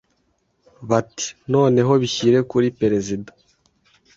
bati ‘noneho bishyire kuri Perezida,